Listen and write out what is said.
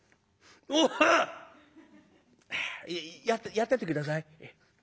「やってて下さい。